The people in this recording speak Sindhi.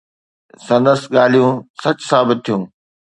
سندس ڳالهيون سچ ثابت ٿيون.